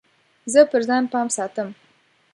زه پر ځان پام ساتم.